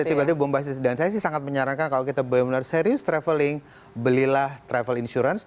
tiba tiba bombastis dan saya sih sangat menyarankan kalau kita benar benar serius traveling belilah travel insurance